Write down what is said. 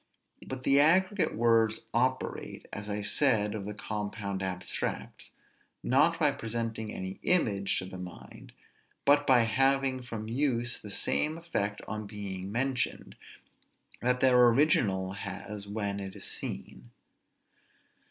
But the aggregate words operate, as I said of the compound abstracts, not by presenting any image to the mind, but by having from use the same effect on being mentioned, that their original has when it is seen.